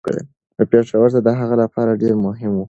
پېښور د هغه لپاره ډیر مهم و.